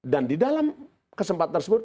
dan di dalam kesempatan tersebut